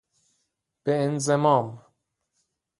به انضمام